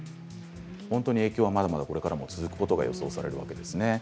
本当に影響はまだまだこれからも続くと予想されるわけですね。